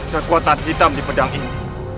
kekuatan hitam di pedang ini